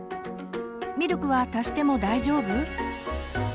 「ミルクは足しても大丈夫？」。